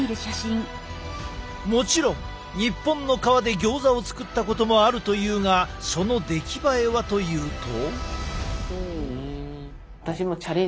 もちろん日本の皮でギョーザを作ったこともあるというがその出来栄えはというと。